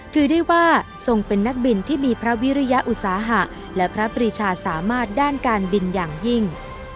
ถือได้ว่าทรงเป็นนักบินที่มีพระวิริยอุตสาหะและพระปรีชาสามารถด้านการบินอย่างยิ่ง